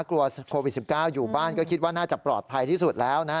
กลัวโควิด๑๙อยู่บ้านก็คิดว่าน่าจะปลอดภัยที่สุดแล้วนะฮะ